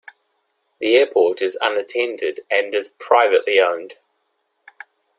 The airport is unattended and is privately owned.